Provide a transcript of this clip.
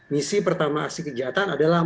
misi pertama aksi kejahatan adalah